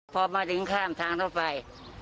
พอมาถึงข้ามทางเข้าไป